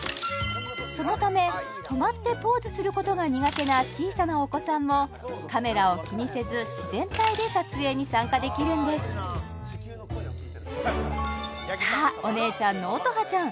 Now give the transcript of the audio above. そのため止まってポーズすることが苦手な小さなお子さんもカメラを気にせず自然体で撮影に参加できるんですさあお姉ちゃんの音羽ちゃん